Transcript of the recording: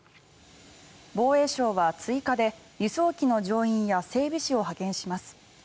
防衛省は追加で輸送機の乗員や整備士を派遣します。